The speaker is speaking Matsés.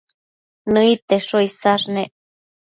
Nëid tesho isash nec